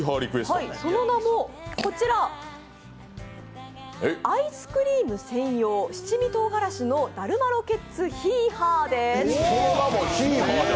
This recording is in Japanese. その名もこちらアイスクリーム専用、七味とうがらしのだるまロケッツひはです。